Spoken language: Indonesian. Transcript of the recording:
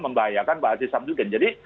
membahayakan pak haji sabzudin jadi